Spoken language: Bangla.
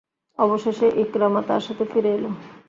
অবশেষে ইকরামা তার সাথে ফিরে এল।